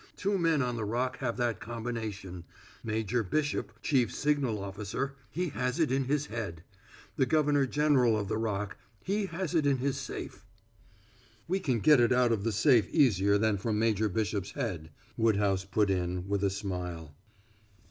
Two men on the Rock have that combination: Major Bishop, chief signal officer, he has in it his head; the governor general of the Rock, he has it in his safe." "We can get it out of the safe easier than from Major Bishop's head," Woodhouse put in, with a smile.